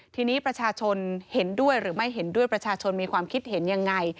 ทีนี้ประชาชนเห็นด้วยหรือไม่เห็นด้วยประชาชนมีความคิดเห็นยังไง